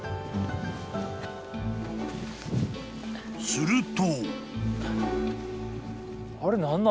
［すると］